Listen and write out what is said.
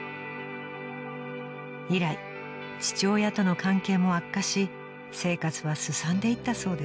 ［以来父親との関係も悪化し生活はすさんでいったそうです］